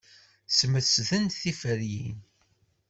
Smesdent tiferyin.